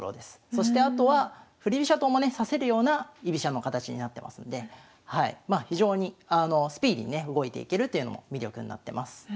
そしてあとは振り飛車党もね指せるような居飛車の形になってますんでまあ非常にスピーディーにね動いていけるというのも魅力になってます。